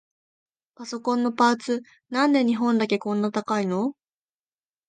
パソコンのパーツ、なんで日本だけこんな高いの？